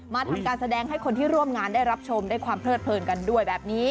ทำการแสดงให้คนที่ร่วมงานได้รับชมได้ความเพลิดเพลินกันด้วยแบบนี้